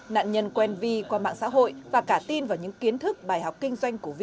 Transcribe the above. nạn nhân quen vi qua mạng xã hội và cả tin vào những kiến thức bài học kinh doanh của vi